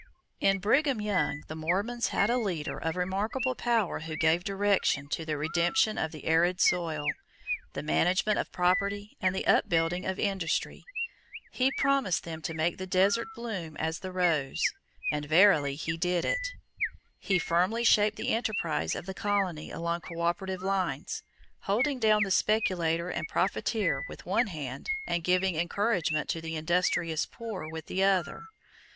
_ In Brigham Young the Mormons had a leader of remarkable power who gave direction to the redemption of the arid soil, the management of property, and the upbuilding of industry. He promised them to make the desert blossom as the rose, and verily he did it. He firmly shaped the enterprise of the colony along co operative lines, holding down the speculator and profiteer with one hand and giving encouragement to the industrious poor with the other.